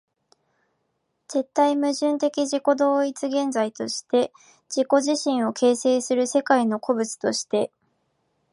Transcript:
絶対矛盾的自己同一的現在として自己自身を形成する世界の個物として、